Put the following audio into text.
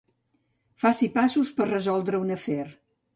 Faci passos per resoldre un afer.